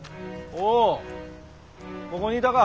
おうここにいたか。